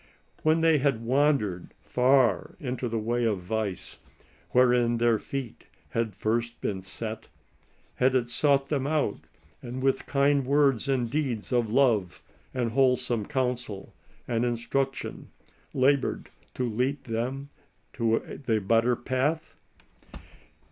When they had wandered far in the way of vice, wherein their feet hs^d first been set, has it sought them out, and, with kind words and deeds of love and wholesome counsel and instruction, labored to lead them to the better path